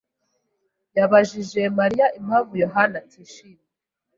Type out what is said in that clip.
yabajije Mariya impamvu Yohana atishimye.